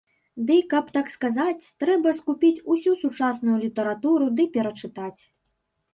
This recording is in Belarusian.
Дый каб так сказаць, трэба скупіць усю сучасную літаратуру ды перачытаць.